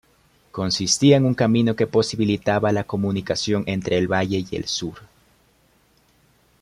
Consistía en un camino que posibilitaba la comunicación entre el Valle y el Sur.